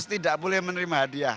tidak boleh menerima hadiah